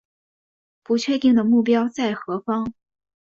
不确定的目标在何方